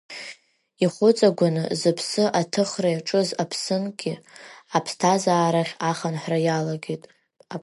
Ихәыҵагәаны зыԥсы аҭыхра иаҿыз Аԥсынгьы аԥсҭазаарахь ахынҳәра иалагеит.